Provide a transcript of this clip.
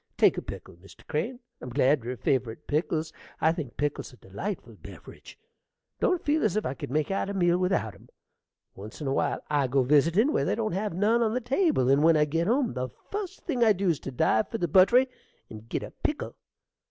Take a pickle, Mr. Crane. I'm glad you're a favorite o' pickles. I think pickels a delightful beveridge, don't feel as if I could make out a meal without 'em. Once in a while I go visitin' where they don't have none on the table, and when I git home the fust thing I dew's to dive for the butt'ry and git a pickle.